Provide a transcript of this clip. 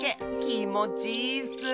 きもちいいッス！